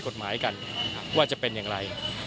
กฎหมายกันว่าจะเป็นอย่างไร